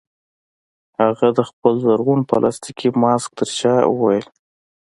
هغه د خپل زرغون پلاستيکي ماسک ترشا وویل